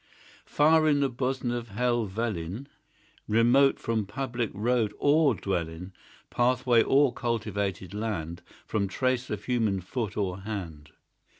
Far in the bosom of Helvellyn, Remote from public road or dwelling, Pathway, or cultivated land; From trace of human foot or hand.